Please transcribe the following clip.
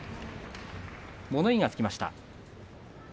物言いがつきました。